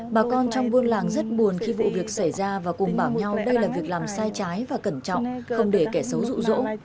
bà con trong buôn làng rất buồn khi vụ việc xảy ra và cùng bảo nhau đây là việc làm sai trái và cẩn trọng không để kẻ xấu rụ rỗ